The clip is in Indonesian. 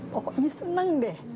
pokoknya senang deh